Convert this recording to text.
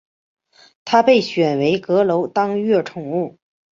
他被选为阁楼当月宠物。